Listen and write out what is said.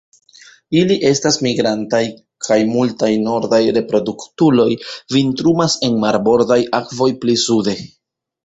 Ili estas migrantaj kaj multaj nordaj reproduktuloj vintrumas en marbordaj akvoj pli sude.